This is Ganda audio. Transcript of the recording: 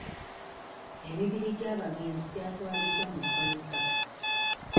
Emibiri gy'abagenzi gyatwaliddwa mu ggwanika.